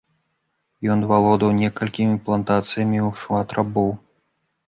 Ён валодаў некалькімі плантацыі і меў шмат рабоў.